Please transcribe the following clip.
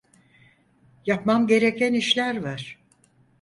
Yapmam gereken işler var.